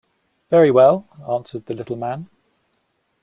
"Very well," answered the little man.